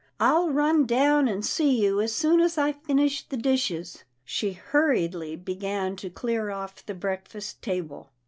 I'll run down and see you as soon as I finish the dishes," she hurriedly began to clear off the breakfast table.